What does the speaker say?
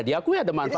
diakui ada manfaatnya